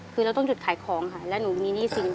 ประวัติมันต้องไป